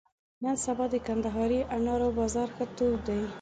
نن سبا د کندهاري انارو بازار ښه تود دی.